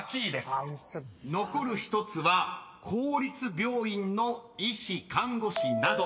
［残る１つは公立病院の「医師・看護師など」］